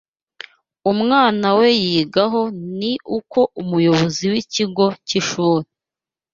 umwana we yiga ho ni uko Umuyobozi wikigo cy’ishuri